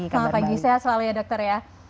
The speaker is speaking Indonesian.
selamat pagi sehat selalu ya dokter ya